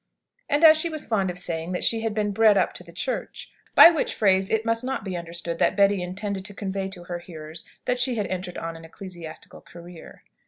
And she was fond of saying that she had been "bred up to the Church;" by which phrase it must not be understood that Betty intended to convey to her hearers that she had entered on an ecclesiastical career.